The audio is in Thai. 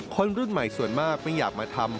คนรุ่นใหม่ส่วนมากไม่อยากมาทำ